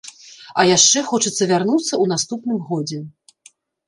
А яшчэ хочацца вярнуцца ў наступным годзе.